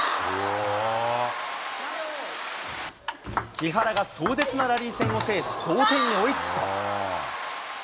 木原が壮絶なラリー戦を制し、同点に追いつくと。